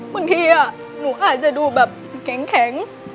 บางทีหนูอาจจะดูแบบแข็ง